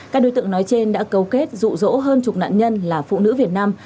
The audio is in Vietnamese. các đối tượng nói trên đã cấu kết rụ rỗ hơn chục nạn nhân là phụ nữ việt nam